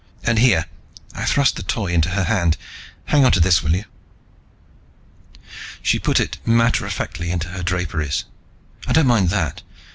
And here" I thrust the Toy into her hand "hang on to this, will you?" She put it matter of factly into her draperies. "I don't mind that.